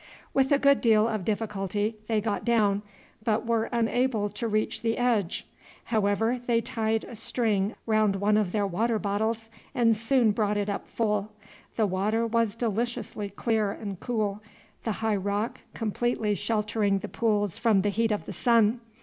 With a good deal of difficulty they got down, but were unable to reach the edge. However they tied a string round one of their water bottles, and soon brought it up full. The water was deliciously clear and cool, the high rock completely sheltering the pools from the heat of the sun.